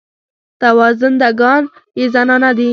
نوازنده ګان یې زنانه دي.